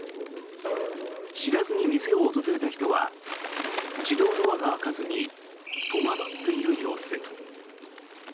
知らずに店を訪れた人は自動ドアが開かずに戸惑っている様子。